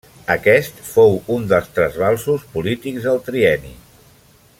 Aquest fou un dels trasbalsos polítics del trienni.